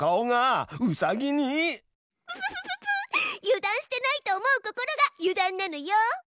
油断してないと思う心が油断なのよ！